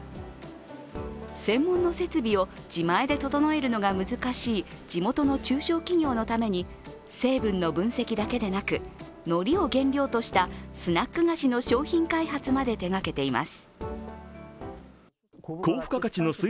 専門の設備を自前で整えるのが難しい地元の中小企業のために成分の分析だけでなくのりを原料としたスナック菓子の商品開発まで手がけています。